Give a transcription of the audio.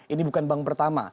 ini bukan bank pertama